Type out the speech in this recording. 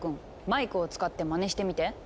マイクを使ってまねしてみて。